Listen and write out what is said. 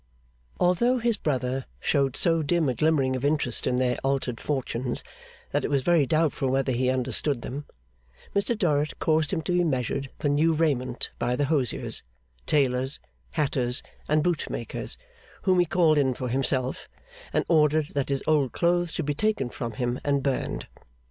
Although his brother showed so dim a glimmering of interest in their altered fortunes that it was very doubtful whether he understood them, Mr Dorrit caused him to be measured for new raiment by the hosiers, tailors, hatters, and bootmakers whom he called in for himself; and ordered that his old clothes should be taken from him and burned.